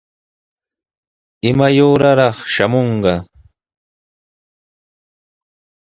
¿Imaya uuraraq shamunqa?